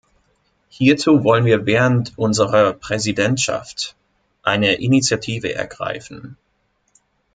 Hierzu wollen wir während unserer Präsidentschaft eine Initiative ergreifen.